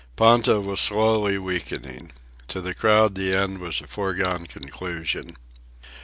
Ponta was slowly weakening. To the crowd the end was a foregone conclusion.